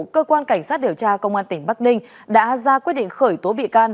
cơ quan cảnh sát điều tra công an tỉnh bắc ninh đã ra quyết định khởi tố bị can